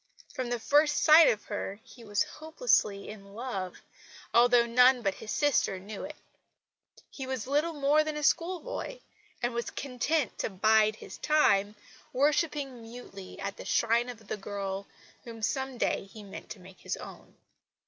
From the first sight of her he was hopelessly in love, although none but his sister knew it. He was little more than a school boy, and was content to "bide his time," worshipping mutely at the shrine of the girl whom some day he meant to make his own.